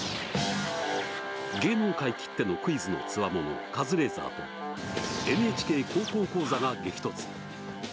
芸能界きってのクイズのつわものカズレーザーと「ＮＨＫ高校講座」が激突。